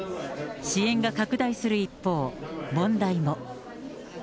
支援が拡大する一方、問題も。